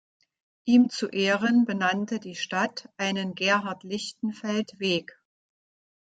Ihm zu Ehren benannte die Stadt einen "Gerhard-Lichtenfeld-Weg".